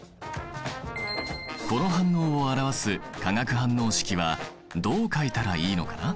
この反応を表す化学反応式はどう書いたらいいのかな？